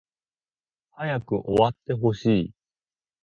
早く終わってほしい